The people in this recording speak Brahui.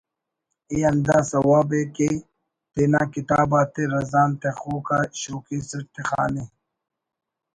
ءِ ہند ا سوب ءِ کہ تینا کتاب آتے رزان تخوک آ شوکیس اٹ تخانے